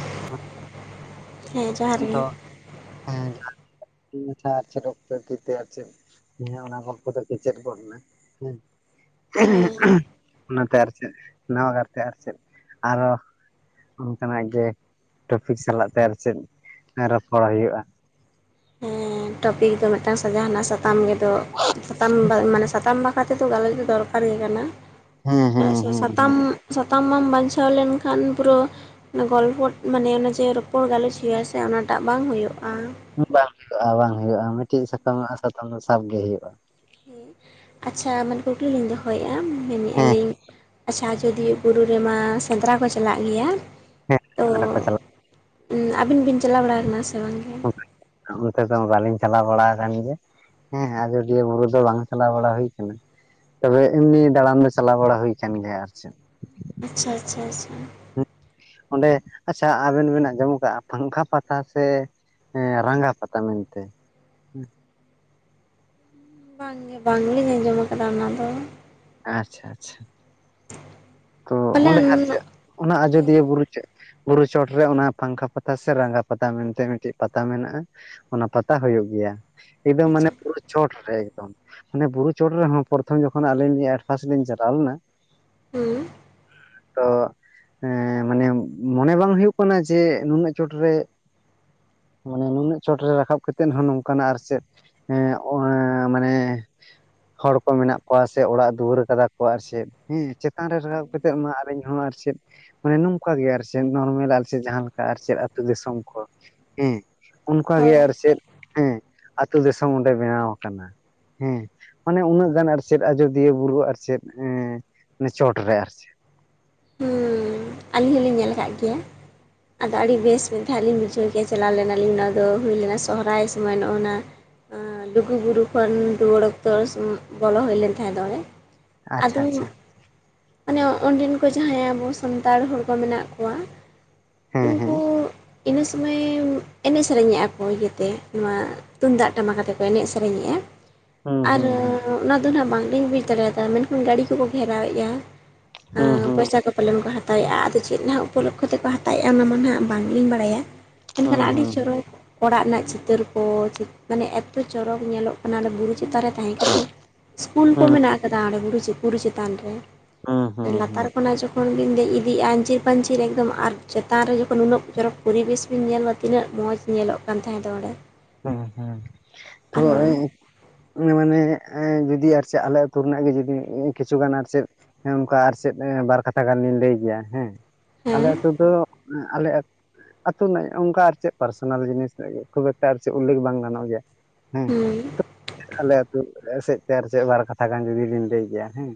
[inaudible] ᱦᱮᱸ ᱡᱚᱦᱟᱨ ᱜᱮ ᱫᱚ ᱦᱮᱸ ᱡᱚᱦᱟᱨ ᱜᱮ [inaudible] ᱦᱮᱸ ᱚᱱᱟ ᱜᱚᱞᱯᱚ ᱫᱚ ᱠᱮᱪᱮ ᱜᱚᱫ ᱮᱱᱟ ᱦᱮᱸ ᱩᱦ ᱦᱮᱸ ᱩᱦ ᱚᱱᱟᱛᱮ ᱟᱨ ᱪᱮᱫ ᱱᱟᱣᱟ ᱠᱟᱨᱛᱮ ᱟᱨ ᱪᱮᱫ ᱟᱨᱚ ᱚᱱᱠᱟᱱᱟᱜ ᱜᱮ ᱴᱚᱯᱤᱠ ᱥᱟᱞᱟᱜ ᱛᱮ ᱟᱨ ᱪᱮᱫ ᱨᱚᱯᱚᱲ ᱦᱩᱭᱩᱜᱼᱟ ᱦᱮᱸ ᱴᱚᱯᱤᱠ ᱫᱚ ᱢᱤᱫᱴᱟᱝ ᱥᱮ ᱡᱟᱦᱟᱜᱼᱟ ᱥᱟᱛᱟᱢ ᱜᱮᱫᱚ ᱥᱟᱛᱟᱢ ᱢᱟᱱᱮ ᱥᱟᱛᱟᱢ ᱵᱟ ᱠᱟ ᱛᱮᱫᱚ ᱜᱟᱞᱚᱪ ᱫᱚ ᱫᱚᱨᱠᱟᱨ ᱜᱮ ᱠᱟᱱᱟ ᱦᱮᱸ ᱦᱮᱸ ᱪᱮᱫᱟᱜ ᱥᱮ ᱦᱮᱸ ᱦᱮᱸ ᱥᱟᱛᱟᱢ ᱥᱟᱛᱟᱢ ᱵᱟᱢ ᱵᱟᱧᱪᱷᱟᱣ ᱞᱮᱱᱠᱷᱟᱱ ᱯᱩᱨᱟᱹ ᱚᱱᱟ ᱜᱚᱞᱯᱚ ᱢᱟᱱᱮ ᱡᱮ ᱨᱚᱯᱚᱲ ᱜᱟᱞᱚᱪ ᱦᱩᱭᱩᱜᱼᱟ ᱥᱮ ᱚᱱᱟᱴᱟᱜ ᱵᱟᱝ ᱦᱩᱭᱩᱜᱼᱟ ᱵᱟᱝ ᱦᱩᱭᱩᱜᱼᱟ ᱵᱟᱝ ᱦᱩᱭᱩᱜᱼᱟ ᱢᱤᱫᱴᱤᱡ ᱥᱟᱠᱟᱢᱟᱜ ᱥᱟᱛᱟᱢ ᱫᱚ ᱥᱟᱵ ᱜᱮ ᱦᱩᱭᱩᱜᱼᱟ ᱟᱪᱪᱷᱟ ᱢᱟᱱᱮ ᱠᱩᱠᱞᱤ ᱞᱤᱧ ᱫᱚᱦᱚᱭᱮᱫᱼᱟ ᱢᱮᱱᱮᱫᱼᱟ ᱦᱮᱸ ᱞᱤᱧ ᱟᱪᱪᱷᱟ ᱟᱡᱚᱫᱤᱭᱟᱹ ᱵᱩᱨᱩ ᱨᱮᱢᱟ ᱥᱮᱸᱫᱽᱨᱟ ᱠᱚ ᱪᱟᱞᱟᱜ ᱜᱮᱭᱟ ᱦᱮᱸ ᱥᱮᱸᱫᱨᱟ ᱠᱚ ᱪᱟᱞᱟᱜ ᱜᱮᱭᱟ ᱟᱵᱤᱱ ᱵᱤᱱ ᱪᱟᱞᱟᱣ ᱵᱟᱲᱟ ᱟᱠᱟᱱᱟ ᱥᱮ ᱵᱟᱝ ᱜᱮ ᱚᱱᱛᱮ ᱫᱚ ᱵᱟᱹᱞᱤᱧ ᱪᱟᱞᱟᱣ ᱵᱟᱲᱟ ᱟᱠᱟᱱ ᱜᱮᱭᱟ ᱦᱮᱸ ᱦᱮ ᱟᱡᱚᱫᱤᱭᱟᱹ ᱵᱩᱨᱩ ᱫᱚ ᱵᱟᱝ ᱪᱟᱞᱟᱣ ᱵᱟᱲᱟ ᱦᱩᱭ ᱠᱟᱱᱟ ᱛᱚᱵᱮ ᱮᱢᱱᱤ ᱫᱟᱬᱟᱱ ᱫᱚ ᱪᱟᱞᱟᱣ ᱵᱟᱲᱟ ᱦᱩᱭ ᱟᱠᱟᱱ ᱜᱮᱭᱟ ᱟᱨ ᱪᱮᱫ ᱟᱪᱪᱷᱟ ᱟᱪᱪᱷᱟ ᱟᱪᱪᱷᱟ ᱚᱸᱰᱮ ᱟᱪᱪᱷᱟ ᱟᱵᱮᱱ ᱵᱮᱱ ᱟᱸᱡᱚᱢ ᱠᱟᱜᱼᱟ ᱯᱟᱝᱠᱷᱟ ᱯᱟᱛᱟ ᱥᱮ ᱮ ᱨᱟᱸᱜᱟ ᱯᱟᱛᱟ ᱢᱮᱱᱛᱮ ᱵᱟᱝ ᱜᱮ ᱵᱟᱝᱞᱤᱧ ᱟᱸᱡᱚᱢ ᱠᱟᱫᱟ ᱚᱱᱟ ᱫᱚ ᱟᱪᱪᱷᱟ ᱟᱪᱪᱷᱟ ᱛᱚ ᱚᱸᱰᱮ ᱯᱟᱞᱮᱱ ᱟᱨ ᱪᱮᱫ ᱚᱱᱟ ᱦᱮᱸ ᱟᱡᱚᱫᱤᱭᱟᱹ ᱵᱩᱨᱩ ᱪᱮᱫ ᱵᱩᱨᱩ ᱪᱚᱴᱨᱮ ᱚᱱᱟ ᱯᱟᱝᱠᱷᱟ ᱯᱟᱛᱟ ᱥᱮ ᱨᱟᱸᱜᱟ ᱯᱟᱛᱟ ᱢᱮᱱᱛᱮ ᱢᱤᱫᱴᱮᱱ ᱯᱟᱛᱟ ᱢᱮᱱᱟᱜᱼᱟ ᱚᱱᱟ ᱯᱟᱛᱟ ᱦᱩᱭᱩᱜ ᱜᱮᱭᱟ ᱮᱠᱫᱚᱢ ᱢᱟᱱᱮ ᱟᱪᱪᱷᱟ ᱪᱚᱴ ᱨᱮ ᱮᱠᱫᱚᱢ ᱚᱱᱮ ᱵᱩᱨᱩ ᱪᱚᱴ ᱨᱮᱦᱚᱸ ᱯᱨᱚᱛᱷᱚᱢ ᱡᱚᱠᱷᱚᱱ ᱟᱹᱞᱤᱧᱧ ᱮᱰᱯᱷᱟᱥᱴ ᱞᱤᱧ ᱪᱟᱞᱟᱣ ᱞᱮᱱᱟ ᱦᱩᱸ ᱛᱚ ᱢᱟᱱᱮ ᱢᱚᱱᱮ ᱵᱟᱝ ᱦᱩᱭᱩᱜ ᱠᱟᱱᱟ ᱡᱮ ᱱᱩᱱᱟᱹᱜ ᱪᱚᱴᱨᱮ ᱢᱟᱱᱮ ᱱᱩᱱᱟᱹᱜ ᱪᱚᱴᱨᱮ ᱨᱟᱠᱟᱵ ᱠᱟᱛᱮᱫ ᱦᱚᱸ ᱱᱚᱝᱠᱟᱱᱟᱜ ᱟᱨ ᱪᱮᱫ ᱮᱸ ᱚ ᱢᱟᱱᱮ ᱦᱚᱲ ᱠᱚ ᱢᱮᱱᱟᱜ ᱠᱚᱣᱟ ᱥᱮ ᱚᱲᱟᱜ ᱫᱩᱣᱟᱹᱨ ᱠᱟᱫᱟ ᱠᱚ ᱟᱨ ᱪᱮᱫ ᱦᱮᱸ ᱪᱮᱛᱟᱱ ᱨᱟᱠᱟᱵ ᱠᱟᱴᱟ ᱟᱨ ᱤᱧ ᱦᱚ ᱟᱨ ᱪᱮᱫ ᱢᱟᱱᱮ ᱱᱚᱝᱠᱟ ᱜᱮ ᱟᱨ ᱪᱮᱫ ᱱᱚᱨᱢᱮᱞ ᱟᱨ ᱪᱮᱫ ᱡᱟᱦᱟᱸᱠᱟ ᱟᱨ ᱪᱮᱫ ᱟᱹᱛᱩ ᱫᱤᱥᱚᱢ ᱠᱚ ᱦᱮᱸ ᱚᱱᱠᱟᱜᱮ ᱦᱳᱭ ᱟᱨ ᱪᱮᱫ ᱦᱮᱸ ᱟᱛᱳ ᱫᱤᱥᱚᱢ ᱚᱸᱰᱮ ᱵᱮᱱᱟᱣ ᱠᱟᱱᱟ ᱦᱮ ᱢᱟᱱᱮ ᱩᱱᱟᱹᱜ ᱜᱟᱱ ᱟᱨ ᱪᱮᱫ ᱟᱡᱚᱫᱤᱭᱟᱹ ᱵᱩᱨᱩ ᱟᱨ ᱪᱮᱫ ᱪᱚᱴᱨᱮ ᱟᱨ ᱪᱮᱫ ᱦᱩ ᱟᱹᱞᱤᱧ ᱦᱚᱞᱤᱧ ᱧᱮᱞ ᱠᱟᱫ ᱜᱮᱭᱟ ᱟᱫᱚ ᱟᱹᱰᱤ ᱵᱮᱥ ᱢᱮᱱ ᱛᱟᱦᱮᱸᱱᱟ ᱞᱤᱧ ᱵᱩᱡᱷᱟᱹᱣ ᱠᱮᱜᱭᱟ ᱪᱟᱞᱟᱣ ᱞᱮᱱᱟᱞᱤᱧ ᱱᱚᱣᱟ ᱫᱚ ᱦᱩᱭ ᱞᱮᱱᱟ ᱥᱚᱦᱨᱟᱭ ᱥᱚᱢᱚᱭ ᱱᱚᱜᱼᱱᱟ ᱞᱩᱜᱩᱵᱩᱨᱩ ᱠᱷᱚᱱ ᱨᱩᱣᱟᱹᱲ ᱚᱠᱛᱚ ᱵᱚᱞᱚ ᱦᱩᱭ ᱞᱮᱱ ᱛᱟᱦᱮᱸ ᱫᱚ ᱚᱰᱮ ᱟᱪᱪᱷᱟ ᱟᱫᱚ ᱟᱪᱪᱷᱟ ᱢᱟᱱᱮ ᱚᱸᱰᱮᱱ ᱠᱚ ᱡᱟᱦᱟᱸᱭ ᱟᱵᱚ ᱥᱟᱱᱛᱟᱲ ᱦᱚᱲ ᱠᱚ ᱢᱮᱱᱟᱜ ᱠᱚᱣᱟ, ᱦᱮᱸ ᱦᱮᱸ ᱩᱱᱠᱩ ᱤᱱᱟᱹ ᱥᱩᱢᱟᱹᱭ ᱮᱱᱮᱡ ᱥᱮᱨᱮᱧᱮᱫ-ᱟ ᱠᱚ ᱤᱭᱟᱹᱛᱮ ᱱᱚᱣᱟ ᱛᱩᱢᱫᱟᱜ ᱴᱟᱢᱟᱠ ᱟᱛᱮ ᱠᱚ ᱮᱱᱮᱡ ᱥᱮᱨᱮᱧᱮᱜ-ᱟ᱾ ᱦᱩᱸ ᱟᱨᱻ ᱦᱩᱸ ᱦᱩᱸ ᱚᱱᱟ ᱫᱚ ᱦᱟᱸᱜ ᱵᱟᱝᱞᱤᱧ ᱵᱩᱡᱽ ᱫᱟᱲᱮᱭᱟᱫᱟ ᱢᱮᱱᱠᱷᱟᱱ ᱜᱟᱹᱰᱤ ᱠᱚᱠᱚ ᱜᱷᱮᱨᱟᱣ ᱮᱫᱟ ᱾ ᱦᱩᱸ ᱟᱸᱻ ᱦᱩᱸ ᱯᱚᱭᱥᱟ ᱠᱚ ᱯᱟᱞᱮᱱ ᱠᱚ ᱦᱟᱛᱟᱭ-ᱟ ᱟᱫᱚ ᱪᱮᱫ ᱱᱷᱟᱜ ᱩᱯᱚᱞᱚᱠᱠᱷᱚ ᱛᱮᱠᱚ ᱦᱟᱛᱟᱭ-ᱟ ᱚᱱᱟ ᱢᱟ ᱱᱷᱟᱜ ᱵᱟᱝᱞᱤᱧ ᱵᱟᱲᱟᱭᱟ ᱾ ᱢᱮᱱᱠᱷᱟᱱ ᱦᱩᱸ ᱟᱹᱰᱤ ᱦᱩᱸ ᱪᱚᱨᱚᱠ ᱚᱲᱟᱜ ᱨᱮᱱᱟᱜ ᱪᱤᱛᱟᱹᱨ ᱠᱚ ᱢᱟᱱᱮ ᱮᱛᱚ ᱪᱚᱨᱚᱠ ᱧᱮᱞᱚᱜ ᱠᱟᱱᱟ, ᱚᱱᱟ ᱫᱚ ᱵᱩᱨᱩ ᱪᱮᱛᱟᱱ ᱨᱮ ᱛᱟᱦᱮᱸ ᱠᱟᱛᱮ ᱤᱥᱠᱩᱞ ᱠᱚ ᱦᱩᱸ ᱦᱩᱸ ᱢᱮᱱᱟᱜ ᱟᱠᱟᱫᱟ ᱚᱸᱰᱮ ᱵᱩᱨᱩ ᱵᱩᱨᱩ ᱪᱮᱛᱟᱱ ᱨᱮ ᱦᱩᱸ ᱾ ᱦᱩᱸ ᱞᱟᱛᱟᱨ ᱛᱚᱠᱷᱚᱱ ᱵᱤᱱ ᱫᱮᱡ ᱤᱫᱤᱜ-ᱟ ᱟᱧᱪᱤᱨ ᱯᱟᱹᱧᱪᱤᱨ ᱮᱠᱫᱚᱢ ᱟᱨ ᱪᱮᱛᱟᱱ ᱨᱮ ᱡᱚᱠᱷᱚᱱ ᱩᱱᱟᱹᱜ ᱪᱚᱨᱚᱠ ᱯᱚᱨᱤᱵᱮᱥ ᱵᱤᱱ ᱧᱮᱞ ᱟ ᱛᱤᱱᱟᱹᱜ ᱢᱚᱡᱽ ᱧᱮᱞᱚᱜ ᱠᱟᱱ ᱛᱟᱦᱮᱸ ᱫᱚ ᱚᱸᱰᱮ, ᱟᱨᱚ [unintelligible] ᱢᱟᱱᱮ ᱡᱩᱫᱤ ᱟᱨ ᱪᱮᱫ ᱟᱞᱮ ᱟᱹᱛᱩ ᱨᱮᱱᱟᱜ ᱜᱮ ᱡᱩᱫᱤ ᱠᱤᱪᱷᱩᱜᱟᱱ ᱟᱨ ᱪᱮᱫ ᱦᱮᱸ ᱚᱱᱠᱟ ᱟᱨ ᱪᱮᱫ ᱵᱟᱨ ᱠᱟᱛᱷᱟ ᱜᱟᱱᱞᱤᱧ ᱞᱟᱹᱭ ᱜᱮᱭᱟ, ᱦᱮᱸ ᱟᱞᱮ ᱦᱮᱸ ᱟᱛᱩ ᱫᱚ ᱟᱞᱮ ᱟᱹᱛᱩ ᱨᱮᱱᱟᱜ ᱚᱱᱠᱟ ᱟᱨ ᱪᱮᱫ ᱯᱟᱨᱥᱚᱱᱟᱞ ᱡᱤᱱᱤᱥ ᱠᱷᱩᱵ ᱮᱠ ᱢᱟ ᱟᱨ ᱪᱮᱫ ᱩᱞᱞᱮᱠᱷ ᱵᱟᱝ ᱜᱟᱱᱚᱜ ᱜᱮᱭᱟ, ᱦᱩᱸ ᱦᱮᱸ ᱟᱞᱮ ᱟᱹᱛᱩ ᱥᱮᱫ ᱛᱮ ᱟᱨ ᱪᱮᱫ ᱵᱟᱨ ᱠᱟᱛᱷᱟ ᱜᱟᱱ ᱡᱩᱫᱤ ᱞᱤᱧ ᱞᱟᱹᱭ ᱠᱮᱭᱟ ᱦᱮᱸ,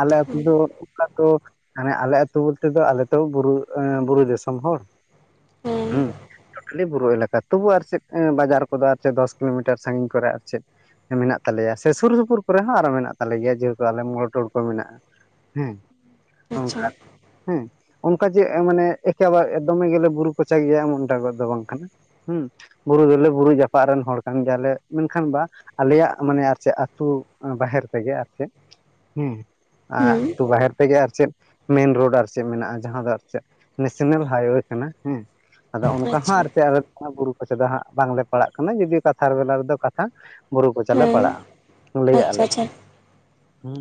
ᱟᱞᱮ ᱟᱹᱛᱩ ᱦᱮᱸ ᱫᱚ ᱠᱟᱛᱚ ᱢᱟᱱᱮ ᱟᱞᱮ ᱟᱹᱛᱩ ᱵᱚᱞᱛᱮ ᱫᱚ ᱟᱞᱮ ᱛᱚ ᱵᱩᱨᱩ ᱵᱩᱨᱩ ᱫᱤᱥᱚᱢ ᱦᱚᱲ, ᱦᱮᱸ ᱠᱷᱟᱹᱞᱤ ᱵᱩᱨᱩ ᱮᱞᱟᱠᱟ ᱛᱚᱵᱩ ᱟᱨ ᱪᱮᱫ ᱵᱟᱡᱟᱨ ᱠᱚᱫᱚ ᱟᱨ ᱪᱮᱫ ᱫᱚᱥ ᱠᱤᱞᱳᱢᱤᱴᱟᱨ ᱥᱟᱺᱜᱤᱧ ᱠᱚᱨᱮ ᱟᱨ ᱪᱮᱫ ᱦᱮᱸ ᱢᱮᱱᱟᱜ ᱛᱟᱞᱮᱭᱟ ᱥᱮ ᱥᱩᱨ ᱥᱩᱯᱩᱨ ᱠᱚᱨᱮ ᱦᱚᱸ ᱟᱨᱚ ᱢᱮᱱᱟᱜ ᱛᱟᱞᱮ ᱜᱮᱭᱟ ᱡᱮᱦᱮᱛᱩ ᱟᱞᱮ ᱢᱳᱲ-ᱴᱳᱲ ᱠᱚ ᱢᱮᱱᱟᱜ-ᱟ ᱾ ᱦᱮᱸ ᱟᱪᱪᱷᱟ ᱚᱱᱠᱟ, ᱦᱮᱸ ᱚᱱᱠᱟ ᱡᱮ ᱢᱟᱱᱮ ᱮᱠᱮᱵᱟᱨ ᱫᱚᱢᱮ ᱜᱮᱞᱮ ᱵᱩᱨᱩ ᱠᱚᱪᱟᱜᱮᱭᱟ ᱮᱢᱚᱱ ᱴᱟ ᱫᱚ ᱵᱟᱝ ᱠᱟᱱᱟ ᱾ ᱦᱩᱸ ᱵᱩᱨᱩ ᱫᱚᱞᱮ ᱵᱩᱨᱩ ᱡᱟᱯᱟᱜ ᱨᱮᱱ ᱦᱚᱲ ᱠᱟᱱ ᱜᱮᱭᱟᱞᱮ ᱢᱮᱱᱠᱷᱟᱱ ᱵᱟ ᱟᱞᱮᱭᱟᱜ ᱢᱟᱱᱮ ᱟᱨ ᱪᱮᱫ ᱟᱹᱛᱩ ᱵᱟᱦᱮᱨ ᱛᱮᱜᱮ ᱟᱨ ᱪᱮᱫ, ᱦᱮᱸ ᱟ ᱦᱮᱸ ᱟᱛᱩ ᱵᱟᱦᱮᱨ ᱛᱮᱜᱮ ᱟᱨ ᱪᱮᱫ ᱢᱮᱱ ᱨᱳᱰ ᱟᱨ ᱪᱮᱫ ᱢᱮᱱᱟᱜ-ᱟ ᱡᱟᱦᱟᱸ ᱫᱚ ᱟᱨ ᱪᱮᱫ ᱱᱮᱥᱱᱮᱞ ᱦᱟᱭ ᱳᱭᱮ ᱠᱟᱱᱟ ᱦᱮᱸ ᱾ ᱟᱫᱚ ᱚᱱᱠᱟ ᱦᱚᱸ ᱟᱪᱪᱷᱟ ᱟᱨ ᱪᱮᱫ ᱟᱞᱮ ᱵᱩᱨᱩ ᱠᱚᱪᱟ ᱫᱚ ᱦᱟᱸᱜ ᱵᱟᱝᱞᱮ ᱯᱟᱲᱦᱟᱜ ᱠᱟᱱᱟ ᱡᱩᱫᱤᱭᱳ ᱠᱟᱛᱷᱟ ᱵᱮᱞᱟ ᱨᱮᱫᱚ ᱠᱟᱛᱷᱟ ᱵᱩᱨᱩ ᱠᱚᱪᱟᱞᱮ ᱦᱮᱸ ᱯᱟᱲᱟᱜ-ᱟ ᱞᱟᱹᱭᱟᱜ ᱟᱪᱪᱷᱟ ᱟᱞᱮ᱾ ᱟᱪᱪᱷᱟ ᱦᱩᱸ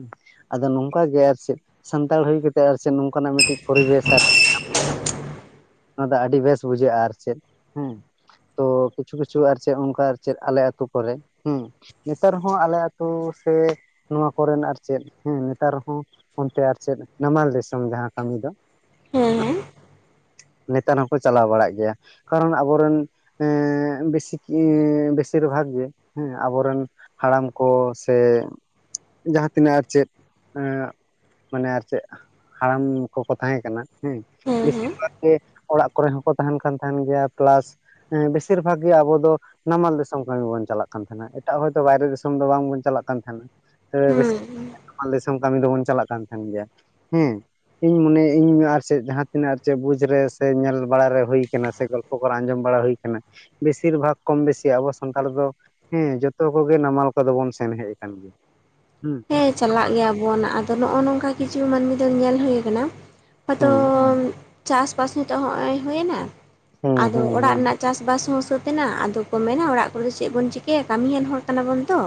ᱟᱫᱚ ᱱᱚᱝᱠᱟ ᱜᱮ ᱟᱨ ᱪᱮᱫ ᱥᱟᱱᱛᱟᱲ ᱦᱩᱭ ᱠᱟᱛᱮ ᱟᱨ ᱪᱮᱫ ᱱᱚᱝᱠᱟᱱᱟᱜ ᱢᱤᱫᱴᱤᱡ ᱯᱚᱨᱤᱵᱮᱥ ᱟᱨ [inaudible] ᱟᱹᱰᱤ ᱵᱮᱥ ᱵᱩᱡᱷᱟᱹᱜ-ᱟ ᱟᱨ ᱪᱮᱫ ᱦᱮᱸ ᱛᱚ ᱠᱤᱪᱷᱩ ᱠᱤᱪᱷᱩ ᱟᱨ ᱪᱮᱫ ᱚᱱᱠᱟ ᱪᱮᱫ ᱟᱞᱮ ᱟᱹᱛᱩ ᱠᱚᱨᱮ ᱦᱮᱸ, ᱱᱮᱛᱟᱨ ᱦᱚᱸ ᱟᱞᱮ ᱟᱛᱩ ᱥᱮ ᱱᱚᱣᱟ ᱠᱚᱨᱮᱱ ᱟᱨ ᱪᱮᱫ ᱦᱮᱸ ᱱᱮᱛᱟᱨ ᱦᱚᱸ ᱚᱱᱛᱮ ᱟᱨ ᱪᱮᱫ ᱱᱟᱢᱟᱞ ᱫᱤᱥᱚᱢ ᱡᱟᱦᱟᱸ ᱠᱟᱹᱢᱤ ᱫᱚ, ᱦᱮᱸ ᱦᱮᱸ, ᱱᱮᱛᱟᱨ ᱦᱚᱸᱠᱚ ᱪᱟᱞᱟᱣ ᱵᱟᱲᱟᱜ ᱜᱮᱭᱟ ᱾ ᱠᱟᱨᱚᱱ ᱟᱵᱚᱨᱮᱱ ᱮᱸ ᱵᱮᱥᱤ ᱵᱮᱥᱤᱨ ᱵᱷᱟᱜᱽ ᱜᱮ ᱦᱮᱸ ᱟᱵᱚᱨᱮᱱ ᱦᱟᱲᱟᱢ ᱠᱚ ᱥᱮ ᱡᱟᱦᱟᱸ ᱛᱤᱱᱟᱹᱜ ᱟᱨ ᱪᱮᱫ ᱮᱸ ᱢᱟᱱᱮ ᱟᱨ ᱪᱮᱫ ᱦᱟᱲᱟᱢ ᱠᱚᱠᱚ ᱛᱟᱦᱮᱸ ᱠᱟᱱᱟ ᱦᱮᱸ ᱵᱮᱥᱤᱨ ᱵᱷᱟᱜᱽ ᱡᱮ ᱚᱲᱟᱜ ᱠᱚᱨᱮ ᱦᱚᱸᱠᱚ ᱛᱟᱦᱮᱱ ᱠᱟᱱ ᱛᱟᱦᱮᱱ ᱜᱮᱭᱟ ᱯᱮᱞᱟᱥ ᱦᱮᱸ ᱵᱮᱥᱤᱨ ᱵᱷᱟᱜᱽ ᱜᱮ ᱟᱵᱚ ᱫᱚ ᱱᱟᱢᱟᱞ ᱫᱤᱥᱚᱢ ᱠᱟᱹᱢᱤ ᱵᱚᱱ ᱪᱟᱞᱟᱜ ᱠᱟᱱ ᱛᱟᱦᱮᱸᱱᱟ᱾ ᱮᱴᱟᱜ ᱦᱚᱭᱛᱳ ᱵᱟᱭᱨᱮ ᱫᱤᱥᱚᱢ ᱫᱚ ᱵᱟᱝᱵᱚᱱ ᱪᱟᱞᱟᱜ ᱠᱟᱱ ᱛᱟᱦᱮᱱᱟ ᱛᱚᱵᱮ ᱵᱮᱥᱤ ᱦᱩᱸ ᱢᱟᱞ ᱫᱤᱥᱚᱢ ᱠᱟᱹᱢᱤ ᱫᱚᱵᱚᱱ ᱪᱟᱞᱟᱜ ᱠᱟᱱ ᱛᱟᱦᱮᱱ ᱜᱮᱭᱟ ᱾ ᱦᱮᱸ ᱤᱧ ᱢᱚᱱᱮᱭᱮ ᱟᱹᱧ ᱟᱨ ᱪᱮᱫ ᱡᱟᱦᱟᱸ ᱛᱤᱱᱟᱹᱜ ᱟᱨ ᱪᱮᱫ ᱵᱩᱪ ᱨᱮ ᱥᱮ ᱧᱮᱞ ᱵᱟᱲᱟᱨᱮ ᱦᱩᱭᱠᱟᱱᱟ ᱥᱮ ᱜᱚᱞᱯᱚ ᱠᱚᱨᱮ ᱟᱸᱡᱚᱢ ᱵᱟᱲᱟ ᱦᱩᱭ ᱠᱟᱱᱟ᱾ ᱵᱮᱥᱤᱨ ᱵᱷᱟᱜᱽ ᱠᱚᱢ ᱵᱮᱥᱤ ᱟᱵᱚ ᱥᱟᱱᱛᱟᱲ ᱫᱚ ᱦᱮᱸ ᱡᱚᱛᱚ ᱠᱚᱜᱮ ᱱᱟᱢᱟᱞ ᱠᱚᱫᱚ ᱵᱚᱱ ᱥᱮᱱ ᱦᱮᱡ ᱟᱠᱟᱱ ᱜᱮᱭᱟ᱾ ᱦᱩᱸ᱾ ᱦᱮᱸ ᱪᱟᱞᱟᱜ ᱜᱮᱭᱟᱵᱚᱱ ᱟᱫᱚ ᱱᱚᱜᱼᱚ ᱱᱚᱝᱠᱟ ᱠᱤᱪᱷᱩ ᱢᱟᱹᱱᱢᱤ ᱫᱚ ᱧᱮᱞ ᱦᱩᱭ ᱟᱠᱟᱱᱟ ᱦᱚᱭᱛᱚᱻ ᱦᱩᱸ ᱪᱟᱥᱼᱵᱟᱥ ᱱᱤᱛᱚᱜ ᱦᱚᱸᱜᱼᱚᱭ ᱦᱩᱭᱮᱱᱟ᱾ ᱦᱩᱸ ᱟᱫᱚ ᱦᱩᱸ ᱚᱲᱟᱜ ᱦᱩᱸ ᱨᱮᱱᱟᱜ ᱪᱟᱥᱼᱵᱟᱥ ᱦᱚᱸ ᱥᱟᱹᱛᱮᱱᱟ ᱟᱫᱚ ᱢᱮᱱᱟ ᱚᱲᱟᱜ ᱠᱚᱨᱮ ᱫᱚ ᱪᱮᱫ ᱵᱚᱱ ᱪᱤᱠᱟᱹᱭᱟ ᱠᱟᱹᱢᱤᱭᱟᱱ ᱦᱚᱲ ᱠᱟᱱᱟᱵᱚᱱ ᱛᱚ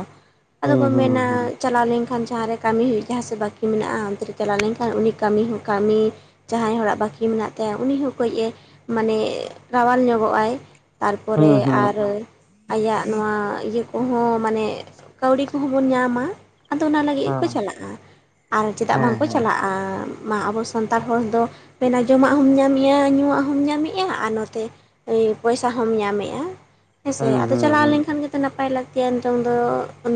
ᱟᱫᱚ ᱠᱚ ᱦᱩᱸ ᱦᱩᱸ ᱢᱮᱱᱟ ᱦᱩᱸ ᱪᱟᱞᱟᱣ ᱠᱷᱟᱱ ᱡᱟᱦᱟᱸ ᱨᱮ ᱠᱟᱹᱢᱤ ᱦᱩᱭᱩᱜ ᱡᱟᱦᱟᱸ ᱥᱮ ᱵᱟᱹᱠᱤ ᱢᱮᱱᱟᱜᱼᱟ ᱚᱱᱛᱮᱨᱮ ᱪᱟᱞᱟᱣ ᱞᱮᱱᱠᱷᱟᱱ ᱩᱱᱤ ᱠᱟᱹᱢᱤ ᱦᱚᱸ ᱠᱟᱹᱢᱤ ᱡᱟᱦᱟᱸᱭ ᱦᱚᱲᱟᱜ ᱵᱟᱹᱠᱤ ᱢᱮᱱᱟᱜ ᱛᱟᱭᱟ ᱩᱱᱤ ᱦᱚᱸ ᱠᱟᱹᱡᱽᱼ ᱮ ᱢᱟᱱᱮ ᱨᱟᱣᱟᱞ ᱧᱚᱜᱚᱜᱼᱟᱭ᱾ ᱛᱟᱨᱯᱚᱨᱮ ᱦᱩᱸ ᱦᱩᱸ ᱟᱨ ᱟᱭᱟᱜ ᱱᱚᱣᱟ ᱤᱭᱟᱹ ᱠᱚᱦᱚᱸ ᱢᱟᱱᱮ ᱮᱸᱜ ᱠᱟᱹᱣᱰᱤ ᱠᱚᱦᱚᱸ ᱵᱚᱱ ᱧᱟᱢᱟ᱾ ᱟᱫᱚ ᱚᱱᱟ ᱞᱟᱹᱜᱤᱫ ᱜᱮᱠᱚ ᱦᱩᱸ ᱪᱟᱞᱟᱜᱼᱟ ᱟᱨ ᱪᱮᱫᱟᱜ ᱦᱮᱸ ᱵᱟᱝᱠᱚ ᱦᱮᱸ ᱪᱟᱞᱟᱜᱼᱟ ᱢᱟ ᱟᱵᱚ ᱥᱟᱱᱛᱟᱲ ᱦᱚᱲ ᱫᱚ ᱢᱮᱱᱟ ᱡᱚᱢᱟᱜ ᱦᱚᱸᱢ ᱧᱟᱢᱮᱜᱼᱟ ᱧᱩᱣᱟᱜ ᱦᱚᱸᱢ ᱧᱟᱢᱮᱫᱼᱟ ᱟᱨ ᱱᱚᱛᱮ ᱮᱸ ᱯᱚᱭᱥᱟ ᱦᱚᱢ ᱧᱟᱢᱮᱜᱼᱟ᱾ ᱦᱮᱸᱥᱮ ᱦᱩᱸ ᱟᱫᱚ ᱦᱩᱸ ᱪᱟᱞᱟᱣ ᱦᱩᱸ ᱞᱮᱱᱠᱷᱟᱱ ᱜᱮᱛᱚ ᱱᱟᱯᱟᱭ ᱞᱟᱹᱠᱛᱤᱜᱼᱟ ᱱᱤᱛᱚᱝ ᱫᱚ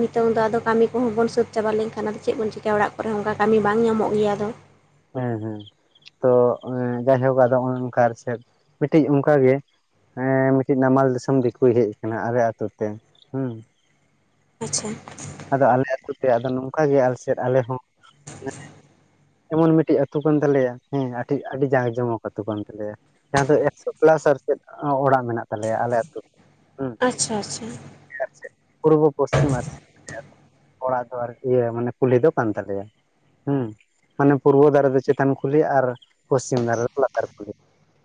ᱱᱤᱛᱚᱝ ᱫᱚ ᱟᱫᱚ ᱠᱟᱹᱢᱤ ᱠᱚᱦᱚᱸ ᱵᱚᱱ ᱥᱟᱹᱛ ᱪᱟᱵᱟ ᱞᱮᱱᱠᱷᱟᱱ ᱟᱫᱚ ᱪᱮᱫ ᱵᱚᱱ ᱪᱤᱠᱟᱭᱟ ᱚᱲᱟᱜ ᱠᱚᱨᱮ ᱦᱚᱸ ᱚᱱᱠᱟ ᱠᱟᱹᱢᱤ ᱵᱟᱝ ᱧᱟᱢᱚᱜ ᱜᱮᱭᱟ ᱟᱫᱚ᱾ ᱦᱩᱸ ᱦᱩᱸ ᱛᱚ ᱮᱸ ᱡᱟᱭᱦᱳᱠ ᱟᱫᱚ ᱚᱸ ᱚᱱᱠᱟ ᱟᱨ ᱥᱮᱫᱽ ᱢᱤᱫᱴᱤᱡ ᱚᱝᱠᱟ ᱜᱮ ᱦᱮᱸ ᱢᱤᱫᱴᱮᱡ ᱱᱟᱢᱟᱞ ᱫᱤᱥᱚᱢ ᱫᱤᱠᱩᱭ ᱦᱮᱡ ᱠᱟᱱᱟ ᱟᱞᱮ ᱟᱛᱩ ᱛᱮ ᱦᱩᱸ ᱟᱪᱪᱷᱟ᱾ ᱟᱫᱚ ᱟᱞᱮ ᱟᱹᱛᱩ ᱛᱮ ᱱᱚᱝᱠᱟ ᱜᱮ ᱟᱞᱮ ᱥᱮᱫ ᱟᱞᱮ ᱦᱚᱸ ᱮᱢᱚᱱ ᱢᱤᱫᱴᱤᱡ ᱟᱹᱛᱩ ᱠᱟᱱ ᱛᱟᱞᱮᱭᱟ ᱦᱮᱸ ᱟᱴᱤ ᱟᱹᱰᱤ ᱡᱟᱸᱠ ᱡᱚᱢᱚᱠ ᱟᱹᱛᱩ ᱠᱟᱱ ᱛᱟᱞᱮᱭᱟ᱾ ᱡᱟᱸᱦᱟ ᱟᱫᱚ ᱮᱠᱥᱳ ᱯᱞᱟᱥ ᱟᱨ ᱪᱮᱫ ᱚᱲᱟᱜ ᱢᱮᱱᱟᱜ ᱛᱟᱞᱮᱭᱟ ᱟᱞᱮ ᱟᱹᱛᱩ ᱦᱩᱸ᱾ ᱟᱪᱪᱷᱟ ᱟᱪᱪᱷᱟ ᱟᱨ ᱪᱮᱫ, ᱯᱩᱨᱵᱚ ᱯᱚᱥᱪᱤᱢ ᱟᱨ ᱚᱲᱟᱜ ᱫᱚ ᱟᱨ ᱠᱤ ᱢᱟᱱᱮ ᱠᱩᱞᱦᱤ ᱫᱚ ᱠᱟᱱ ᱛᱟᱞᱮᱭᱟ ᱦᱩᱸ᱾ ᱢᱟᱱᱮ ᱯᱩᱨᱵᱚ ᱫᱟᱨᱮ ᱫᱚ ᱪᱮᱛᱟᱱ ᱠᱩᱞᱦᱤ ᱟᱨ ᱯᱚᱥᱪᱤᱢ ᱫᱷᱟᱨᱮ ᱫᱚ ᱞᱟᱛᱟᱨ ᱠᱩᱞᱦᱤ᱾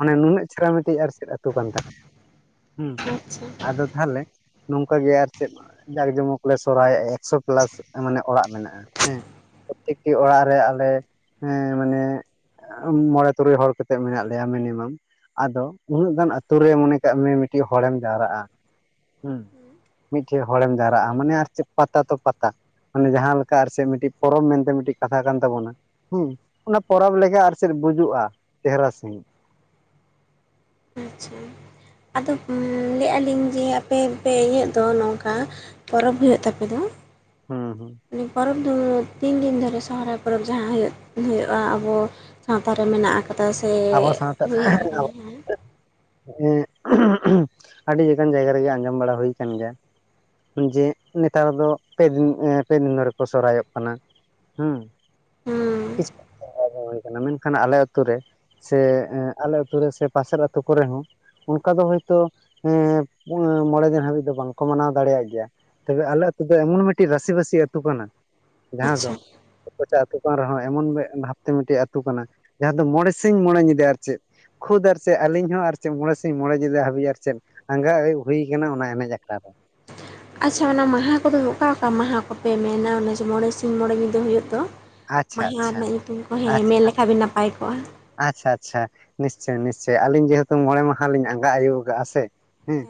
ᱚᱱᱮ ᱱᱩᱱᱟᱹᱜ ᱪᱮᱨᱦᱟ ᱢᱤᱴᱤᱡ ᱟᱨᱥᱮᱫ ᱟᱹᱛᱩ ᱠᱟᱱ ᱛᱟᱞᱮᱭᱟ ᱦᱩᱸ ᱟᱪᱪᱷᱟ ᱟᱫᱚ ᱛᱟᱦᱞᱮ ᱱᱚᱝᱠᱟ ᱜᱮ ᱟᱨ ᱪᱮᱫ ᱡᱟᱸᱠ ᱡᱚᱢᱚᱠ ᱞᱮ ᱥᱚᱨᱦᱟᱭᱮᱜᱼᱟ ᱮᱠᱥᱚ ᱯᱞᱟᱥ ᱢᱟᱱᱮ ᱚᱲᱟᱜ ᱢᱮᱱᱟᱜᱼᱟ ᱦᱮᱸ᱾ ᱯᱨᱚᱛᱛᱮᱠᱴᱤ ᱚᱲᱟᱜ ᱨᱮ ᱟᱞᱮ ᱦᱮᱸ ᱢᱟᱱᱮ ᱟᱸᱢ ᱢᱚᱲᱮ ᱛᱩᱨᱩᱭ ᱦᱚᱲ ᱠᱟᱛᱮᱜ ᱢᱮᱱᱟᱜ ᱞᱮᱭᱟ ᱢᱤᱱᱤᱢᱟᱢ᱾ ᱟᱫᱚ ᱩᱱᱟᱹᱜ ᱜᱟᱱ ᱟᱛᱳ ᱨᱮ ᱢᱚᱱᱮ ᱠᱟᱜ ᱢᱮ ᱢᱤᱴᱤᱡ ᱦᱚᱲᱮᱢ ᱡᱟᱣᱨᱟᱜᱼᱟ ᱦᱩᱸ᱾ ᱢᱤᱫᱴᱷᱮᱡ ᱦᱚᱲᱮᱢ ᱡᱟᱣᱨᱟᱜᱼᱟ ᱢᱟᱱᱮ ᱟᱨ ᱪᱮᱫ ᱯᱟᱛᱟ ᱛᱚ ᱯᱟᱛᱟ ᱢᱟᱱᱮ ᱡᱟᱦᱟᱸ ᱞᱮᱠᱟ ᱟᱨ ᱪᱮᱫ ᱢᱤᱴᱤᱡᱽ ᱯᱚᱨᱚᱵᱽ ᱢᱮᱱᱛᱮ ᱢᱤᱴᱤᱡᱽ ᱠᱟᱛᱷᱟ ᱠᱟᱱ ᱛᱟᱵᱚᱱᱟ᱾ ᱦᱩᱸ ᱚᱱᱟ ᱯᱚᱨᱚᱵᱽ ᱞᱮᱠᱟ ᱟᱨ ᱪᱮᱫ ᱵᱩᱡᱩᱜᱼᱟ ᱪᱮᱦᱨᱟ ᱥᱟᱸᱦᱤᱪ᱾ ᱟᱪᱪᱷᱟ ᱟᱫᱚ ᱞᱟᱹᱭᱮᱫᱼᱟ ᱞᱤᱧ ᱡᱮ ᱟᱯᱮ ᱯᱮ ᱤᱭᱟᱹᱜ ᱫᱚ ᱱᱚᱝᱠᱟ ᱯᱚᱨᱚᱵᱽ ᱦᱩᱭᱩᱜ ᱛᱟᱯᱮ ᱫᱚ ᱦᱩᱸ ᱦᱩᱸ᱾ ᱯᱚᱨᱚᱵᱽ ᱫᱚ ᱛᱤᱱ ᱫᱤᱱ ᱫᱷᱚᱨᱮ ᱥᱚᱦᱨᱟᱭ ᱯᱚᱨᱚᱵᱽ ᱡᱟᱦᱟᱸ ᱦᱩᱭᱩᱜ ᱦᱩᱭᱩᱜᱼᱟ ᱟᱵᱚ ᱥᱟᱶᱛᱟ ᱨᱮ ᱢᱮᱱᱟᱜᱼᱟ ᱠᱟᱫᱟ ᱥᱮ ᱟᱵᱚ ᱥᱟᱶᱛᱟ ᱦᱩᱭ ᱠᱟᱱᱟ ᱡᱟᱸ᱾ [unintelligible] ᱟᱹᱰᱤ ᱞᱮᱠᱟᱱ ᱡᱟᱭᱜᱟ ᱨᱮᱜᱮ ᱟᱸᱡᱚᱢ ᱵᱟᱲᱟ ᱦᱩᱭᱠᱟᱱ ᱜᱮᱭᱟ ᱡᱮ ᱱᱮᱛᱟᱨ ᱫᱚ ᱯᱮ ᱫᱤᱱ ᱮᱸ ᱯᱮ ᱫᱤᱱ ᱫᱷᱚᱨᱮ ᱠᱚ ᱥᱚᱦᱨᱟᱭᱚᱜ ᱠᱟᱱᱟ᱾ ᱦᱩᱸ ᱦᱩᱸ [unintelligible] ᱢᱮᱱᱠᱷᱟᱱ ᱟᱞᱮ ᱟᱛᱩᱨ ᱨᱮ ᱥᱮ ᱮᱸ ᱟᱞᱮ ᱟᱛᱩ ᱨᱮ ᱥᱮ ᱯᱟᱥᱮᱨ ᱟᱹᱛᱩ ᱠᱚᱨᱮ ᱦᱚᱸ ᱚᱱᱠᱟ ᱫᱚ ᱦᱳᱭᱛᱳ ᱮᱸ ᱯᱩᱱ ᱢᱚᱸᱬᱮ ᱫᱤᱱ ᱦᱟᱹᱵᱤᱡ ᱫᱚ ᱵᱟᱝᱠᱚ ᱢᱟᱱᱟᱣ ᱫᱟᱲᱮᱭᱟᱜ ᱜᱮᱭᱟ᱾ ᱛᱚᱵᱮ ᱟᱞᱮ ᱟᱛᱩ ᱫᱚ ᱮᱢᱚᱱ ᱢᱤᱴᱤᱡᱽ ᱨᱟᱥᱤ ᱵᱟᱥᱤ ᱟᱹᱛᱩ ᱠᱟᱱᱟᱼᱼ ᱡᱟᱦᱟᱸ ᱫᱚ ᱟᱪᱪᱷᱟ ᱠᱚᱪᱟ ᱟᱹᱛᱩ ᱠᱟᱱ ᱨᱮᱦᱚᱸ ᱮᱢᱚᱱ ᱢᱮᱜ ᱵᱷᱟᱯᱛᱮ ᱢᱤᱴᱮᱡᱽ ᱟᱹᱛᱩ ᱠᱟᱱᱟ ᱡᱟᱦᱟᱸ ᱫᱚ ᱢᱚᱸᱬᱮᱼᱼ ᱥᱤᱧ ᱢᱚᱸᱬᱮ ᱧᱤᱫᱟᱹ ᱟᱨ ᱪᱮᱫ ᱠᱷᱩᱫᱽ ᱟᱨ ᱪᱮᱫ ᱟᱹᱞᱤᱧ ᱦᱚᱸ ᱟᱨ ᱪᱮᱫ ᱢᱚᱸᱬᱮ ᱥᱤᱧ ᱢᱚᱸᱲᱮ ᱧᱤᱫᱟᱹ ᱦᱟᱹᱵᱤᱡᱽ ᱟᱨ ᱪᱮᱫᱼᱼ ᱟᱸᱜᱟ ᱟᱭᱩᱵᱽ ᱦᱩᱭ ᱠᱟᱱᱟ ᱚᱱᱟ ᱮᱱᱮᱡᱽ ᱟᱠᱷᱲᱟ ᱨᱮ᱾ ᱟᱪᱪᱷᱟ ᱚᱱᱟ ᱢᱟᱸᱦᱟ ᱠᱚᱫᱚ ᱚᱠᱟ ᱚᱠᱟ ᱢᱟᱸᱦᱟ ᱠᱚᱯᱮ ᱢᱮᱱᱟ ᱚᱱᱮ ᱡᱮ ᱢᱚᱸᱬᱮ ᱥᱤᱧ ᱢᱚᱸᱬᱮ ᱧᱤᱫᱟᱹ ᱦᱩᱭᱩᱜ ᱫᱚ? ᱟᱪᱪᱷᱟ ᱢᱟᱭᱦᱟ ᱟᱪᱪᱷᱟ ᱨᱮᱱᱟᱜ ᱧᱩᱛᱩᱢ ᱠᱚ ᱦᱮᱸ ᱟᱪᱪᱷᱟ ᱢᱮᱱ ᱞᱮᱠᱷᱟᱱ ᱵᱤᱱ ᱱᱟᱯᱟᱭ ᱠᱚᱜᱼᱟ᱾ ᱟᱪᱪᱷᱟ ᱟᱪᱪᱷᱟ ᱱᱤᱥᱪᱚᱭ ᱱᱤᱥᱪᱚᱭ ᱟᱞᱤᱧ ᱡᱮᱦᱮᱛᱩ ᱢᱚᱸᱬᱮ ᱢᱟᱦᱟ ᱞᱤᱧ ᱟᱸᱜᱟ ᱟᱭᱩᱵᱽ ᱠᱟᱜᱼᱟ ᱥᱮ ᱦᱮᱸᱼᱼ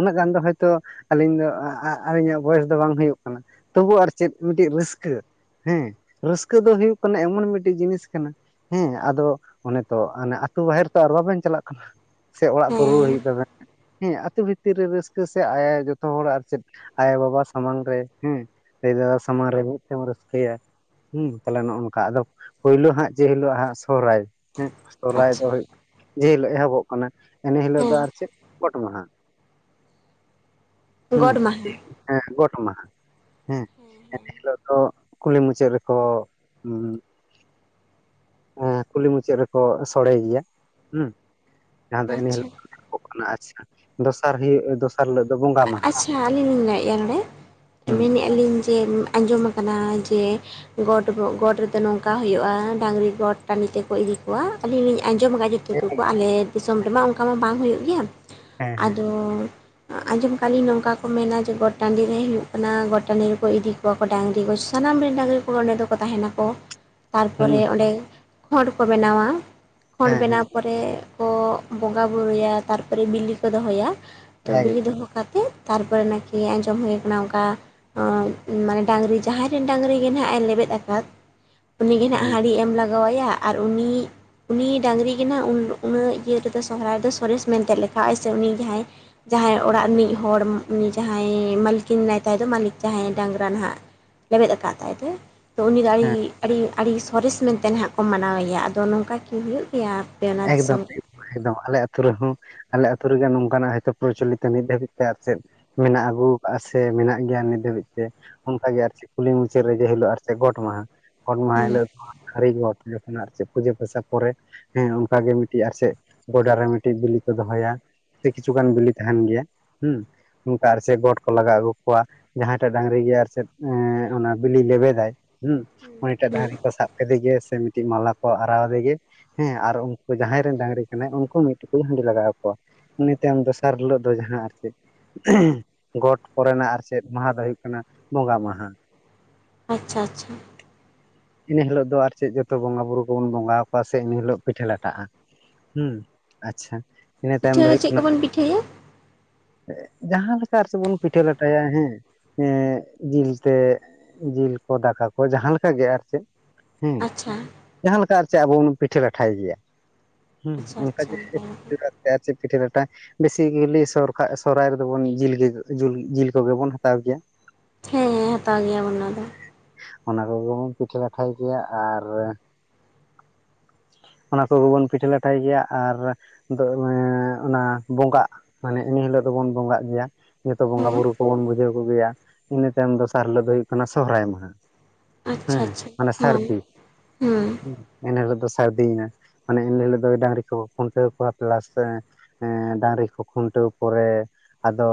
ᱩᱱᱟᱹᱜ ᱜᱟᱱ ᱫᱚ ᱦᱳᱭᱛᱳ ᱟᱹᱞᱤᱧ ᱫᱚ ᱟ ᱟ ᱟᱨ ᱤᱧᱟᱹᱜ ᱵᱚᱭᱮᱥ ᱫᱚ ᱵᱟᱝ ᱦᱩᱭᱩᱜ ᱠᱟᱱᱟ᱾ ᱛᱚᱵᱩ ᱟᱨ ᱪᱮᱫ ᱢᱤᱫᱴᱤᱡᱽ ᱨᱟᱹᱥᱠᱟᱹ᱾ ᱦᱮᱸ ᱨᱟᱹᱥᱠᱟᱹ ᱫᱚ ᱦᱩᱭᱩᱜ ᱠᱟᱱᱟ ᱮᱢᱚᱱ ᱢᱤᱴᱤᱡᱽ ᱡᱤᱱᱤᱥ ᱠᱟᱱᱟ ᱦᱮᱸ ᱟᱫᱚᱼᱼ ᱚᱱᱮ ᱛᱚ ᱟᱱᱮ ᱟᱹᱛᱩ ᱵᱟᱦᱮᱨ ᱛᱚ ᱟᱨ ᱵᱟᱵᱮᱱ ᱪᱟᱞᱟᱜ ᱠᱟᱱᱟ ᱥᱮ ᱚᱲᱟᱜ ᱠᱚ ᱨᱩᱣᱟᱹᱲ ᱦᱮᱸ ᱦᱩᱭᱩᱜ ᱛᱟᱵᱮᱱᱼᱼ ᱦᱮᱸ ᱟᱹᱛᱩ ᱵᱷᱤᱛᱤᱨ ᱨᱮ ᱨᱟᱹᱥᱠᱟᱹ ᱥᱮ ᱟᱭ ᱡᱚᱛᱚ ᱦᱚᱲ ᱟᱨ ᱪᱮᱫ ᱟᱭᱚ ᱵᱟᱵᱟ ᱥᱟᱢᱟᱝ ᱨᱮ ᱦᱮᱸᱼᱼ ᱫᱟᱹᱭ ᱫᱟᱫᱟ ᱥᱟᱢᱟᱝ ᱨᱮ ᱢᱤᱫ ᱛᱮᱢ ᱨᱟᱹᱥᱠᱟᱹᱭᱟ᱾ ᱦᱩᱸ ᱛᱟᱞᱦᱮ ᱱᱚᱜ ᱚᱝᱠᱟ ᱟᱫᱚ ᱯᱳᱭᱞᱳ ᱦᱟᱸᱜ ᱡᱮ ᱦᱤᱞᱳᱜ ᱦᱟᱸᱜ ᱥᱚᱦᱨᱟᱭᱼᱼ ᱦᱮᱸ ᱥᱚᱨᱦᱟᱭ ᱫᱚ ᱟᱪᱪᱷᱟ ᱦᱩᱭ ᱡᱮᱦᱤᱞᱳᱜ ᱮᱦᱚᱵᱚᱜ ᱠᱟᱱᱟ ᱮᱱ ᱦᱤᱞᱳᱜ ᱫᱚ ᱦᱮᱸ ᱟᱨ ᱪᱮᱫ ᱜᱚᱴ ᱢᱟᱦᱟᱸ ᱦᱩᱸ ᱜᱚᱰ ᱢᱟᱦᱟ [unintelligible] ᱦᱮᱸ ᱜᱚᱴ ᱢᱟᱦᱟ ᱦᱮᱸ ᱮᱱᱦᱤᱞᱳᱜ ᱫᱚ ᱠᱩᱞᱦᱤ ᱢᱩᱪᱟᱹᱫ ᱨᱮᱠᱚ ᱚᱸ ᱮᱸ ᱠᱩᱞᱦᱤ ᱢᱩᱪᱟᱹᱫ ᱨᱮᱠᱚ ᱥᱚᱸᱲᱮ ᱜᱮᱭᱟ ᱦᱩᱸ ᱡᱟᱦᱟᱸ ᱫᱚ ᱮᱱ ᱟᱪᱪᱷᱟ ᱦᱤᱞᱳᱜ [unintelligible] ᱟᱪᱪᱷᱟ ᱫᱚᱥᱟᱨ ᱦᱩᱭᱩᱜ ᱫᱚᱥ ᱫᱚᱥᱟᱨ ᱦᱤᱞᱳᱜ ᱫᱚ ᱵᱚᱸᱜᱟ᱾ ᱢᱟᱦᱟ ᱟᱪᱪᱷᱟ ᱟᱹᱞᱤᱧ ᱞᱤᱧ ᱞᱟᱹᱭᱮᱫᱼᱟ ᱱᱚᱸᱰᱮ, ᱦᱮᱸ ᱢᱮᱱᱮ ᱟᱹᱞᱤᱧ ᱡᱮ ᱟᱸᱡᱚᱢ ᱟᱠᱟᱱᱟ ᱡᱮ ᱜᱚᱴ ᱜᱚᱴ ᱨᱮᱫᱚ ᱱᱚᱝᱠᱟ ᱦᱩᱭᱩᱜᱼᱟ ᱰᱟᱹᱟᱝᱨᱤ ᱜᱚᱴ ᱴᱟᱺᱰᱤ ᱛᱮᱠᱚ ᱤᱫᱤ ᱠᱚᱣᱟ ᱟᱹᱞᱤᱧ ᱞᱤᱧ ᱟᱸᱡᱚᱢ ᱟᱠᱟᱫ ᱡᱮ, ᱛᱤᱠᱩ ᱠᱚ ᱟᱞᱮ ᱫᱤᱥᱚᱢ ᱨᱮᱢᱟ ᱚᱱᱠᱟ ᱢᱟ ᱵᱟᱝ ᱦᱩᱭᱩᱜ ᱜᱮᱭᱟ ᱦᱮᱸ ᱦᱮᱸ ᱟᱫᱚ ᱟᱸᱡᱚᱢ ᱠᱷᱟᱹᱞᱤ ᱱᱚᱝᱠᱟ ᱠᱚ ᱢᱮᱱᱟ ᱡᱮ ᱜᱚᱴ ᱴᱟᱺᱰᱤ ᱨᱮ ᱦᱩᱭᱩᱜ ᱠᱟᱱᱟ ᱜᱚᱴ ᱴᱟᱺᱰᱤ ᱨᱮᱠᱚ ᱤᱫᱤ ᱠᱚᱣᱟ ᱠᱚ ᱰᱟᱹᱝᱨᱤ ᱠᱚ ᱥᱟᱱᱟᱢ ᱨᱮᱱ ᱰᱟᱹᱝᱨᱤ ᱠᱚ ᱚᱸᱰᱮ ᱫᱚᱠᱚ ᱛᱟᱦᱮᱸᱱᱟᱠᱚ [inaudible] ᱛᱟᱨᱯᱚᱨᱮ ᱚᱸᱰᱮ ᱠᱷᱚᱸᱴ ᱠᱚ ᱵᱮᱱᱟᱣᱟ ᱠᱷᱚᱸᱴ ᱦᱮᱸ ᱵᱮᱱᱟᱣ ᱯᱚᱨᱮ ᱠᱚ ᱵᱚᱸᱜᱟ ᱵᱩᱨᱩᱭᱟ ᱛᱟᱨᱯᱚᱨᱮ ᱵᱤᱞᱤ ᱠᱚ ᱫᱚᱦᱚᱭᱟ ᱛᱚ ᱦᱮᱸ ᱵᱤᱞᱤ ᱮᱠᱫᱚᱢ ᱫᱚᱦᱚ ᱠᱟᱛ ᱛᱮᱜ ᱛᱟᱨᱯᱚᱨᱮ ᱱᱟᱠᱤ ᱟᱸᱡᱚᱢ ᱦᱩᱭ ᱠᱟᱱᱟ ᱚᱱᱠᱟ ᱚᱻ ᱢᱟᱱᱮ ᱰᱟᱹᱝᱨᱤ ᱡᱟᱦᱟᱸᱭ ᱨᱮᱱ ᱰᱟᱹᱝᱨᱤ ᱜᱮ ᱱᱟᱦᱟᱸᱜ ᱮ ᱞᱮᱵᱮᱫ ᱟᱠᱟᱫ ᱩᱱᱤᱜᱮ ᱦᱟᱸᱜ ᱦᱩᱸ ᱦᱟᱺᱲᱤ ᱮᱢ ᱞᱟᱜᱟᱣ ᱟᱭᱟ ᱟᱨ ᱩᱱᱤ ᱩᱱᱤ ᱰᱟᱹᱝᱨᱤ ᱜᱮ ᱱᱟᱦᱟᱸᱜ ᱩᱱᱟᱹᱜ ᱤᱭᱟᱹ ᱨᱮᱫᱚ ᱥᱚᱦᱚᱨᱟᱭ ᱨᱮᱫᱚ ᱥᱚᱨᱮᱥ ᱢᱮᱱᱛᱮ ᱞᱮᱠᱷᱟ ᱟᱭ ᱥᱮ ᱩᱱᱤ ᱡᱟᱦᱟᱸᱭ ᱡᱟᱦᱟᱸᱭ ᱚᱲᱟᱜ ᱨᱤᱱᱤᱡ ᱦᱚᱲ ᱩᱱᱤ ᱡᱟᱦᱟᱸᱭ ᱢᱟᱹᱞᱤᱠᱤᱱ ᱢᱮᱱᱟᱭ ᱛᱟᱭ ᱫᱚ ᱢᱟᱹᱞᱤᱠ ᱡᱟᱦᱟᱸᱭ ᱰᱟᱹᱝᱨᱟ ᱱᱟᱦᱟᱸᱜ ᱞᱮᱵᱮᱫ ᱟᱠᱟᱫ ᱛᱟᱭ ᱫᱚᱭ ᱛᱚ ᱩᱱᱤ ᱫᱚ ᱟᱹᱰᱤ ᱦᱮᱸ ᱟᱹᱰᱤ ᱟᱹᱰᱤ ᱥᱚᱨᱮᱥ ᱢᱮᱱᱛᱮ ᱱᱟᱦᱟᱸᱜ ᱠᱚ ᱢᱟᱱᱟᱣᱮᱭᱟ ᱟᱫᱚ ᱱᱚᱝᱠᱟ ᱠᱤ ᱦᱩᱭᱩᱜ ᱜᱮᱭᱟ? ᱚᱱᱟ ᱮᱠᱫᱚᱢ᱾ ᱫᱤᱥᱚᱢ ᱨᱮ ᱮᱠᱫᱚᱢ ᱟᱞᱮ ᱟᱹᱛᱩ ᱨᱮᱦᱚᱸ ᱟᱞᱮ ᱟᱹᱛᱩ ᱨᱮᱜᱮ ᱱᱚᱝᱠᱟᱱᱟᱜ ᱦᱚᱭᱛᱳ ᱯᱨᱚᱪᱚᱞᱤᱛᱚ ᱱᱤᱛ ᱫᱷᱟᱹᱵᱤᱡ ᱛᱮ ᱟᱨ ᱪᱮᱫ ᱢᱮᱱᱟᱜ ᱟᱹᱜᱩ ᱠᱟᱜᱼᱟ ᱥᱮ ᱢᱮᱱᱟᱜ ᱜᱮᱭᱟ ᱱᱤᱛ ᱫᱷᱟᱹᱵᱤᱡ ᱛᱮ ᱚᱱᱠᱟᱜᱮ ᱟᱨ ᱪᱮᱫ ᱠᱚ ᱞᱟᱹᱭᱼᱟ ᱢᱩᱪᱟᱹᱫ ᱨᱮ ᱡᱮ ᱦᱤᱞᱳᱜ ᱟᱨ ᱪᱮᱫ ᱜᱚᱴ ᱢᱟᱦᱟᱸ᱾ ᱜᱚᱴ ᱢᱟᱦᱟ ᱦᱩᱸ ᱦᱤᱞᱳᱜ ᱫᱚ [unintelligible] ᱜᱚᱴ ᱡᱚᱠᱷᱚᱱ ᱟᱨ ᱪᱮᱫ ᱯᱩᱡᱟᱹ ᱯᱟᱥᱟ ᱯᱚᱨᱮ ᱦᱮᱸ ᱚᱱᱠᱟ ᱜᱮ ᱢᱤᱫᱴᱤᱡ ᱟᱨ ᱪᱮᱫ ᱜᱚᱰᱟ ᱨᱮ ᱢᱤᱫᱴᱤᱡ ᱵᱤᱞᱤ ᱠᱚ ᱫᱚᱦᱚᱭᱟ᱾ ᱥᱮ ᱠᱤᱪᱷᱩᱜᱟᱱ ᱵᱤᱞᱤ ᱛᱟᱦᱮᱸᱱ ᱜᱮᱭᱟ ᱦᱩᱸ, [unintelligible] ᱜᱚᱴ ᱠᱚ ᱞᱟᱜᱟ ᱟᱹᱜᱩ ᱠᱚᱣᱟ᱾ ᱡᱟᱦᱟᱸᱭ ᱴᱟᱜ ᱰᱟᱹᱝᱨᱤ ᱜᱮ ᱟᱨ ᱪᱮᱫ ᱮᱻ ᱚᱱᱟ ᱵᱤᱞᱤᱭ ᱞᱮᱵᱮᱫᱟᱭ᱾ ᱦᱩᱸ ᱩᱱᱤᱴᱟᱜ ᱦᱩᱸ ᱰᱟᱹᱝᱨᱤ ᱠᱚ ᱥᱟᱵ ᱠᱮᱫᱮ ᱜᱮ ᱥᱮ ᱢᱤᱫᱴᱤᱱ ᱢᱟᱞᱟ ᱠᱚ ᱟᱨᱟᱣᱟᱫᱮ ᱜᱮ᱾ ᱦᱮᱸ ᱟᱨ ᱩᱱᱠᱩ ᱡᱟᱦᱟᱸᱭ ᱨᱮᱱ ᱰᱟᱹᱝᱨᱤ ᱠᱟᱱᱟᱭ ᱩᱱᱠᱩ ᱢᱤᱫ ᱴᱩᱠᱩᱡ ᱦᱟᱺᱰᱤ ᱞᱟᱜᱟᱣ ᱟᱠᱚᱣᱟ ᱩᱱᱤ ᱛᱟᱭᱚᱢ ᱫᱚᱥᱟᱨ ᱦᱤᱞᱳᱜ ᱫᱚ ᱡᱟᱦᱟᱸ ᱟᱨ ᱪᱮᱫ ᱜᱚᱴ ᱯᱚᱨᱮᱱᱟᱜ ᱟᱨ ᱪᱮᱫ ᱢᱟᱦᱟ ᱫᱚ ᱦᱩᱭᱩᱜ ᱠᱟᱱᱟ ᱵᱚᱸᱜᱟ ᱢᱟᱦᱟ᱾ ᱟᱪᱪᱷᱟ ᱟᱪᱪᱷᱟ ᱤᱱᱟᱹ ᱦᱤᱞᱳᱜ ᱫᱚ ᱟᱨ ᱪᱮᱫ ᱡᱚᱛᱚ ᱵᱚᱸᱜᱟ ᱵᱩᱨᱩ ᱠᱚᱵᱚᱱ ᱵᱚᱸᱜᱟ ᱟᱠᱚᱣᱟ ᱥᱮ ᱮᱱ ᱦᱤᱞᱳᱜ ᱯᱤᱴᱷᱟᱹ ᱞᱟᱴᱟᱜᱼᱟ ᱦᱩᱸ ᱟᱪᱪᱷᱟ ᱤᱱᱟᱹ ᱛᱟᱭᱚᱢ ᱯᱤᱴᱷᱟᱹ ᱫᱚ ᱦᱩᱭᱩᱜ ᱪᱮᱫ ᱠᱟᱱᱟ ᱠᱚᱵᱚᱱ ᱯᱤᱴᱷᱟᱹᱭᱟ ᱡᱟᱦᱟᱸ ᱞᱮᱠᱟ ᱟᱨ ᱥᱮ ᱵᱚᱱ ᱯᱤᱴᱷᱟᱹ ᱞᱟᱴᱟᱭᱟ ᱦᱮᱸ ᱮᱻ ᱡᱤᱞ ᱛᱮᱫ ᱡᱤᱞ ᱠᱚ ᱫᱟᱠᱟ ᱠᱚ ᱡᱟᱦᱟᱸᱞᱮᱠᱟ ᱜᱮ ᱟᱨ ᱪᱮᱫ ᱦᱮᱸ ᱟᱪᱪᱷᱟ ᱡᱟᱦᱟᱸ ᱞᱮᱠᱟ ᱟᱨ ᱪᱮᱫ ᱟᱵᱚ ᱵᱚᱱ ᱯᱤᱴᱷᱟᱹ ᱞᱟᱴᱷᱟᱭ ᱜᱮᱭᱟ ᱦᱩᱸ ᱟᱪᱪᱷᱟ ᱚᱱᱠᱟ ᱟᱪᱪᱷᱟ ᱡᱮ [unintelligible] ᱟᱨ ᱪᱮᱫ ᱯᱤᱴᱷᱟᱹ ᱞᱟᱴᱷᱟᱹ ᱵᱮᱥᱤᱜᱤᱞᱤ ᱥᱚᱨ ᱥᱚᱨᱦᱟᱭ ᱨᱮᱫᱚ ᱵᱚᱱ ᱡᱤᱞ ᱜᱮ ᱡᱤᱞ ᱠᱚᱜᱮ ᱵᱚᱱ ᱦᱟᱛᱟᱣ ᱜᱮᱭᱟ᱾ ᱦᱮᱸ ᱦᱟᱛᱟᱣ ᱜᱮᱭᱟ ᱵᱚᱱ ᱚᱱᱟ ᱫᱚ᱾ ᱚᱱᱟ ᱠᱚᱜᱮ ᱵᱚᱱ ᱯᱤᱴᱷᱟᱹ ᱞᱟᱴᱷᱟᱹᱭ ᱜᱮᱭᱟ ᱟᱨ ᱚᱱᱟ ᱠᱚᱜᱮ ᱵᱚᱱ ᱯᱤᱴᱷᱟᱹ ᱞᱟᱴᱷᱟᱹᱭ ᱜᱮᱭᱟ, ᱟᱨ ᱫᱚ ᱚᱱᱮ ᱚᱱᱟ ᱵᱚᱸᱜᱟᱜ ᱢᱟᱱᱮ ᱤᱱ ᱦᱤᱞᱳᱜ ᱫᱚᱵᱚᱱ ᱵᱚᱸᱜᱟᱜ ᱜᱮᱭᱟ ᱡᱚᱛᱚ ᱦᱮᱸ ᱵᱚᱸᱜᱟ-ᱵᱩᱨᱩ ᱠᱚᱵᱚᱱ ᱵᱩᱡᱷᱟᱹᱣ ᱠᱚᱜᱮᱭᱟ, ᱤᱱᱟᱹ ᱛᱟᱭᱚᱢ ᱫᱚᱥᱟᱨ ᱦᱤᱞᱳᱜ ᱫᱚ ᱦᱩᱭᱩᱜ ᱠᱟᱱᱟ ᱥᱚᱦᱨᱟᱭ ᱟᱪᱪᱷᱟ ᱦᱮᱸ ᱟᱪᱪᱷᱟ ᱢᱟᱱᱮ ᱦᱮᱸ ᱥᱟᱹᱨᱫᱤ, ᱦᱮᱸ ᱦᱮᱸ ᱮᱱ ᱦᱤᱞᱚᱜ ᱥᱟᱹᱨᱫᱤᱭ ᱱᱟ ᱢᱟᱱᱮ ᱤᱱᱟᱹ ᱦᱤᱞᱳᱜ ᱫᱚ ᱰᱟᱹᱝᱨᱤ ᱠᱚ ᱠᱷᱩᱱᱴᱟᱹᱣ ᱠᱚᱣᱟ ᱯᱞᱟᱥ ᱮᱻ ᱮᱻ ᱰᱟᱹᱝᱨᱤ ᱠᱚᱠᱚ ᱠᱷᱩᱱᱴᱟᱹᱣ ᱯᱚᱨᱮ ᱟᱫᱚᱻ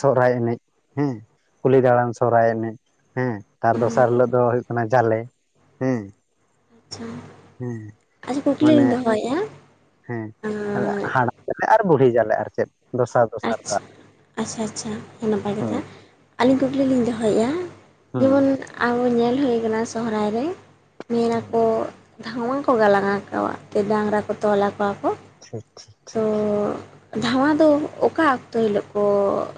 ᱥᱚᱨᱚᱦᱟᱭ ᱮᱱᱮᱡ ᱦᱮᱸ ᱠᱩᱞᱦᱤ ᱫᱟᱬᱟᱱ ᱥᱚᱨᱚᱦᱟᱭ ᱮᱱᱮᱡ ᱦᱮᱸ ᱛᱟᱨ ᱦᱮᱸ ᱫᱚᱥᱟᱨ ᱦᱤᱞᱳ ᱫᱚ ᱦᱩᱭᱩᱜ ᱠᱟᱱᱟ ᱡᱟᱞᱮ ᱦᱮᱸ ᱦᱮᱸ ᱟᱪᱪᱷᱟ ᱠᱩᱠᱞᱤ ᱢᱟᱱᱮ ᱞᱤᱧ ᱫᱚᱦᱚᱭᱮᱫᱼᱟ ᱦᱮᱸ ᱦᱟᱲᱟᱢ ᱡᱟᱞᱮ ᱟᱨ ᱵᱩᱲᱦᱤ ᱡᱟᱞᱮ ᱟᱨ ᱪᱮᱫ ᱫᱚᱥᱟᱨ ᱼᱼ ᱟᱪᱷᱟ ᱟᱪᱪᱷᱟ ᱟᱪᱪᱷᱟ ᱱᱟᱯᱟᱭ ᱠᱟᱛᱷᱟ ᱦᱩᱸ ᱟᱹᱞᱤᱧ ᱠᱩᱠᱞᱤ ᱞᱤᱧ ᱫᱚᱦᱚᱭᱮᱫᱼᱟ ᱦᱩᱸ ᱡᱮᱢᱚᱱ ᱟᱵᱚ ᱧᱮᱞ ᱦᱩᱭ ᱟᱠᱟᱱᱟ ᱥᱚᱨᱦᱟᱭ ᱨᱮ [inaudible] ᱫᱷᱟᱶᱟ ᱠᱚ ᱜᱟᱞᱟᱝ ᱟᱠᱚᱣᱟ ᱰᱟᱝᱨᱟ ᱠᱚ ᱛᱚᱞ ᱟᱠᱚᱣᱟ ᱠᱚ [inaudible] ᱫᱷᱟᱶᱟ ᱫᱚ ᱚᱠᱟ ᱚᱠᱛᱚ ᱦᱤᱞᱳᱜ ᱠᱚ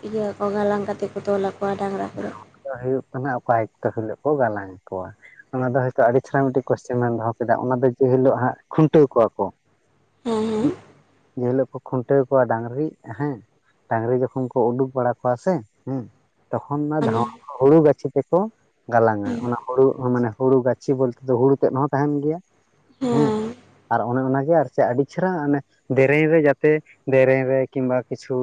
ᱤᱭᱟᱹ ᱜᱟᱞᱟᱝ ᱠᱟᱛᱮ ᱠᱚ ᱛᱚᱞ ᱟᱠᱚᱣᱟ ᱰᱟᱸᱝᱨᱟ ᱠᱚᱫᱚ ᱫᱚ ᱦᱩᱭᱩᱜ ᱠᱟᱱᱟ ᱚᱠᱟ ᱮᱠᱛᱚ ᱦᱤᱞᱳᱜ ᱠᱚ ᱜᱟᱞᱟᱝ ᱠᱚᱣᱟ ᱚᱱᱟ ᱫᱚ ᱦᱚᱭᱛᱚ ᱟᱹᱰᱤ ᱪᱮᱦᱨᱟ ᱢᱤᱫᱴᱤᱡ ᱠᱚᱥᱪᱮᱱ ᱮᱢ ᱫᱚᱦᱚ ᱠᱮᱫᱟ ᱚᱱᱟ ᱫᱚ ᱡᱮ ᱦᱤᱞᱳᱜ ᱦᱟᱸᱜ ᱠᱷᱩᱱᱴᱟᱹᱣ ᱠᱚᱣᱟ ᱠᱚ ᱦᱮᱸ ᱦᱮᱸ [inaudible] ᱡᱮ ᱦᱤᱞᱳᱜ ᱠᱚ ᱠᱷᱩᱱᱴᱟᱹᱣ ᱠᱚᱣᱟ ᱰᱟᱝᱨᱤ ᱦᱮᱸ ᱰᱟᱝᱨᱤ ᱡᱚᱠᱷᱚᱱ ᱠᱚ ᱩᱰᱩᱠ ᱵᱟᱲᱟ ᱠᱚᱣᱟ ᱥᱮ ᱦᱮᱸ ᱛᱠᱷᱚᱱ ᱚᱱᱟ ᱢᱟᱱᱮ ᱫᱷᱟᱣᱟ ᱦᱩᱲᱩ ᱜᱟᱪᱦᱤ ᱛᱮᱠᱚ ᱜᱟᱞᱟᱝᱼᱟ ᱦᱮᱸ ᱚᱱᱟ ᱦᱩᱲᱩ ᱢᱟᱱᱮ ᱦᱩᱲᱩ ᱜᱟᱹᱪᱷᱤ ᱵᱚᱞᱛᱮ ᱫᱚ ᱦᱩᱲᱩ ᱛᱮᱫ ᱦᱚᱸ ᱛᱟᱦᱮᱱ ᱜᱮᱭᱟ ᱦᱮᱸ ᱟᱨ ᱚᱱᱮ ᱚᱱᱟᱜᱮ ᱟᱨᱠᱤ ᱥᱮ ᱟᱹᱰᱤ ᱪᱮᱦᱨᱟ ᱮ ᱫᱮᱨᱮᱧ ᱨᱮ ᱡᱟᱛᱮ ᱫᱮᱨᱮᱧ ᱨᱮ ᱠᱤᱢᱵᱟ ᱠᱤᱪᱷᱩ